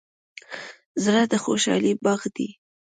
زړه د خوشحالۍ باغ دی.